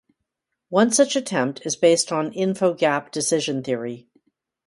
One such attempt is based on info-gap decision theory.